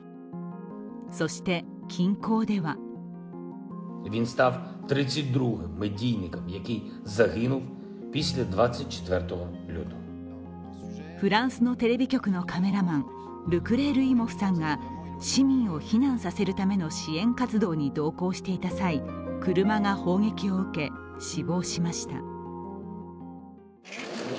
そして近郊ではフランスのテレビ局のカメラマン、ルクレールイモフさんが市民を避難させるための支援活動に同行していた際、車が砲撃を受け、死亡しました。